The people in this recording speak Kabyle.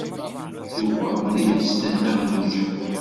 Yuba ad immesten Nna Xelluǧa.